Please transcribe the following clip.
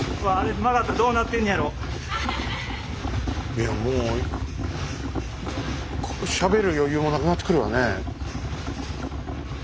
いやもうしゃべる余裕もなくなってくるわね。